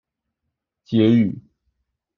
結語